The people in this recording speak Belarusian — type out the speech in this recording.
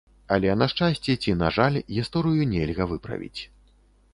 Але, на шчасце ці на жаль, гісторыю нельга выправіць.